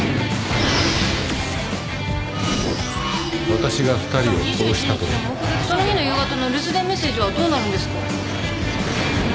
わたしが二人を殺したとでその日の夕方の留守電メッセージはどうなるんですか？